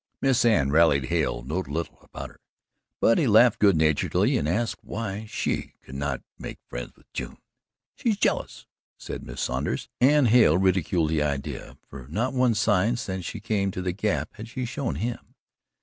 Miss Anne rallied Hale no little about her, but he laughed good naturedly, and asked why SHE could not make friends with June. "She's jealous," said Miss Saunders, and Hale ridiculed the idea, for not one sign since she came to the Gap had she shown him.